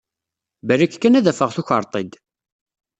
Balak kan ad afeɣ tukreḍ-t-id!